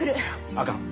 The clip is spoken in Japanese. あかん。